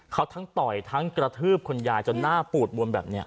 เขาทั้งต่อยทั้งกระทืบคุณยายจนหน้าปูดบวมแบบนี้